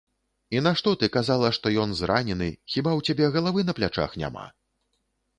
І нашто ты казала, што ён зранены, хіба ў цябе галавы на плячах няма?